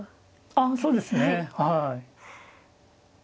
ああそうですねはい。